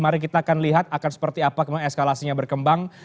mari kita akan lihat akan seperti apa eskalasinya berkembang